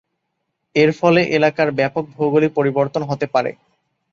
এর ফলে এলাকার ব্যাপক ভৌগোলিক পরিবর্তন হতে পারে।